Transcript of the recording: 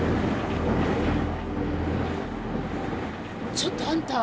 ちょっとあんた！